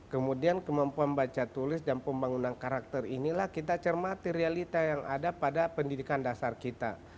kemudian kemampuan baca tulis dan pembangunan karakter inilah kita cermati realita yang ada pada pendidikan dasar kita